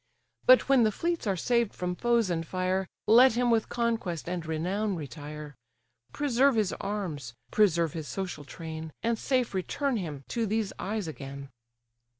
But when the fleets are saved from foes and fire, Let him with conquest and renown retire; Preserve his arms, preserve his social train, And safe return him to these eyes again!"